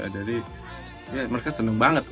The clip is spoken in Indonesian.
jadi mereka seneng banget